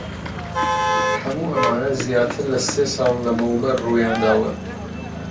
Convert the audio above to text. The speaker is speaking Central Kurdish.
هەموو ئەمانە زیاتر لە سێ ساڵ لەمەوبەر ڕوویان داوە.